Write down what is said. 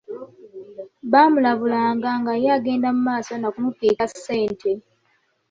Baamulabulanga nga ye agenda mu maaso nakumupiika ssente.